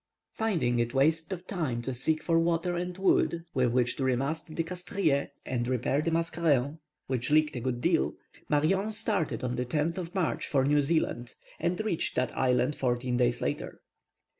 Finding it waste of time to seek for water and wood with which to remast the Castries and repair the Mascarin, which leaked a good deal, Marion started on the 10th of March for New Zealand, and reached that island fourteen days later.